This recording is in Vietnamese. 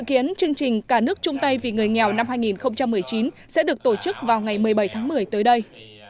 khiến chương trình cả nước chung tay vì người nghèo năm hai nghìn một mươi chín sẽ được tổ chức vào ngày một mươi bảy tháng một mươi tới đây